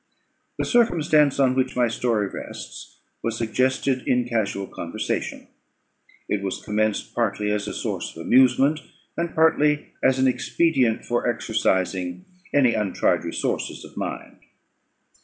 The circumstance on which my story rests was suggested in casual conversation. It was commenced partly as a source of amusement, and partly as an expedient for exercising any untried resources of mind.